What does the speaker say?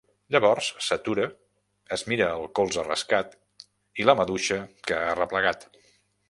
Llavors s'atura, es mira el colze rascat i la maduixa que ha arreplegat.